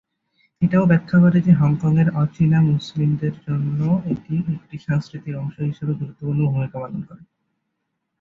এটাও ব্যাখ্যা করে যে হংকংয়ের অ-চীনা মুসলিমদের জন্য এটি একটি সাংস্কৃতিক অংশ হিসাবে গুরুত্বপূর্ণ ভূমিকা পালন করে।